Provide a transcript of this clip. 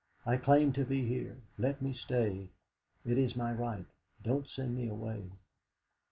'. claim to be here. Let me stay; it is my right. Don't send me away.'